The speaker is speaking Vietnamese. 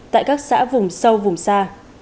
tại các xã vùng sâu vùng xa